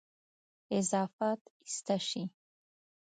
اضافات ایسته شي.